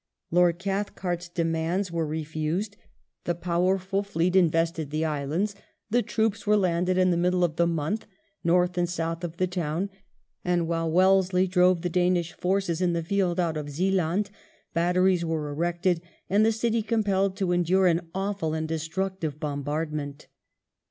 Lord Oathcart's demands 92 WELLINGTON chap. were refused; the powerful fleet invested the islands; the troops were landed in the middle of the month, north and south of the town, and while Wellesley drove the Danish forces in the field out of Zealand, batteries were erected and the city compelled to endure an awful and destructive bombardment.